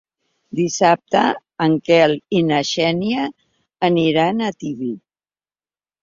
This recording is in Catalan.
Dissabte en Quel i na Xènia aniran a Tibi.